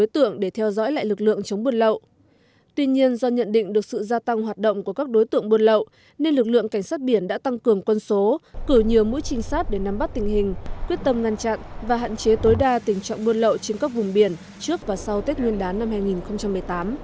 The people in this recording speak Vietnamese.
trong khi những đối tượng buôn lậu nên lực lượng cảnh sát biển đã tăng cường quân số cử nhiều mũi trinh sát để nắm bắt tình hình quyết tâm ngăn chặn và hạn chế tối đa tình trọng buôn lậu trên các vùng biển trước và sau tết nguyên đán năm hai nghìn một mươi tám